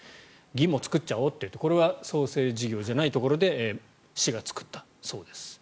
銀も作っちゃおうというそれは創生事業じゃないところで市が作ったそうです。